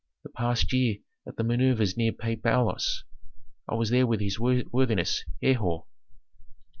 "The past year at the manœuvres near Pi Bailos. I was there with his worthiness Herhor."